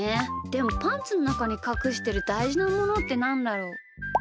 でもパンツのなかにかくしてるだいじなものってなんだろう？